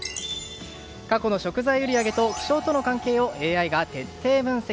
過去の食材売り上げと気象との関係をＡＩが徹底分析。